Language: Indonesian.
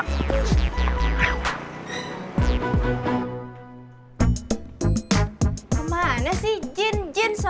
kemana sih jin jin